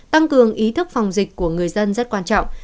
tăng cường ý thức phòng dịch của người dân rất quan trọng